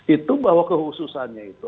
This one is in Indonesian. itu bahwa kehususannya itu